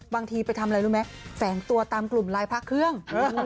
บางทีไปทำอะไรรู้ไหมแฝงตัวตามกลุ่มลายพระเครื่อง